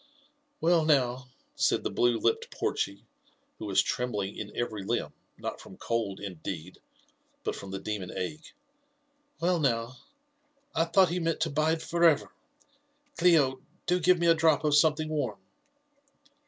•* Well, now 1" said the blue lipped Porchy, who was trembling in every limb, not from cold indeed, but from the demon ague —" well, now ! I thought ho meant to bide for ever. Clio, do give me a drop of something warm."